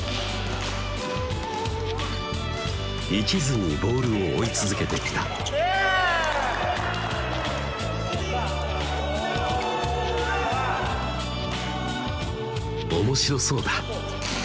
いちずにボールを追い続けてきた「面白そうだ」